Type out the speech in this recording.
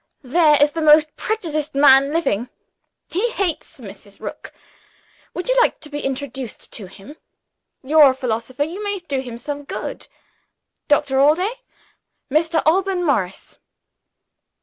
"There is the most prejudiced man living he hates Mrs. Rook. Would you like to be introduced to him? You're a philosopher; you may do him some good. Doctor Allday Mr. Alban Morris."